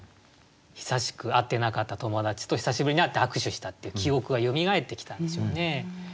久しく会ってなかった友達と久しぶりに会って握手したっていう記憶がよみがえってきたんでしょうね。